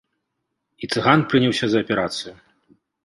І цыган прыняўся за аперацыю.